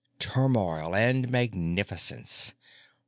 Turmoil and magnificence!